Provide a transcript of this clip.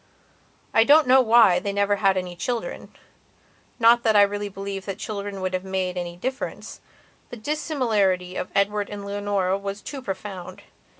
I don't know why they never had any childrennot that I really believe that children would have made any difference. The dissimilarity of Edward and Leonora was too profound.